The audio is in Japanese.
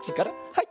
はい。